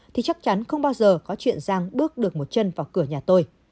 thì chắc chắn không bao giờ có chuyện giang bước được một chân vào cửa nhà tôi